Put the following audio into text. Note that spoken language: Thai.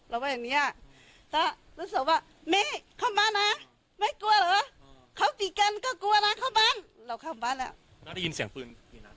แล้วได้ยินเสียงปืน